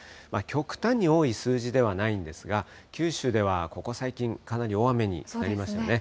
極端に多い数字ではないんですが、九州ではここ最近、かなり大雨になりましたね。